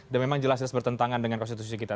dan memang jelas jelas bertentangan dengan konstitusi kita